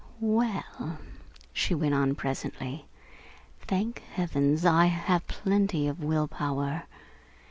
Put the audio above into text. "Well," she went on presently, "thank heavens I have plenty of will power.